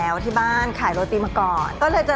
สวัสดีค่ะ